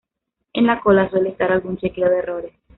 En la cola suele estar algún chequeo de errores.